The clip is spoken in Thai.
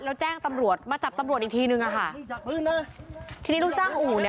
แล้วแจ้งตำรวจมาจับตำรวจอีกทีนึงอ่ะค่ะทีนี้ลูกจ้างอู่เนี่ย